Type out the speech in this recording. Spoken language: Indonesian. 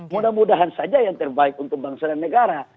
mudah mudahan saja yang terbaik untuk bangsa dan negara